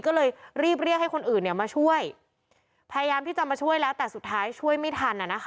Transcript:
ก็เลยรีบเรียกให้คนอื่นมาช่วยพยายามที่จะมาช่วยแล้วแต่สุดท้ายช่วยไม่ทัน